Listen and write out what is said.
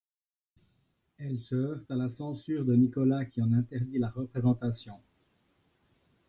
Elle se heurte à la censure de Nicolas qui en interdit la représentation.